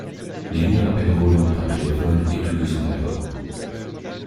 Nelly appelle Rowland par téléphone et tous deux sont d'accord.